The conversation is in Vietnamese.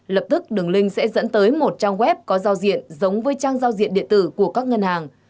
lập tức đường link sẽ dẫn tới một trang web có giao diện giống với trang giao diện điện tử của các ngân hàng